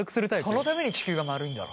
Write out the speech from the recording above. そのために地球は丸いんだろ。